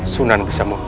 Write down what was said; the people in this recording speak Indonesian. sunan bisa mundur